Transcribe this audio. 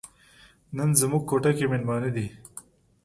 نن زموږ کوټه کې میلمانه دي.